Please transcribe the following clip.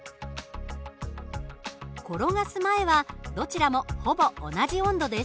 転がす前はどちらもほぼ同じ温度です。